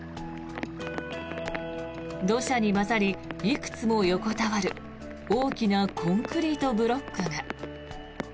土砂に混ざりいくつも横たわる大きなコンクリートブロックが。